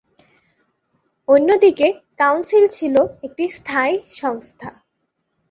অন্যদিকে কাউন্সিল ছিল একটি স্থায়ী সংস্থা।